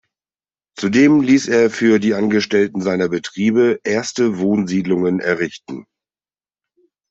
Zudem ließ er für die Angestellten seiner Betriebe erste Wohnsiedlungen errichten.